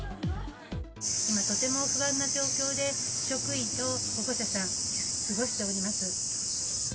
今、とても不安な状況で、職員と保護者さん過ごしております。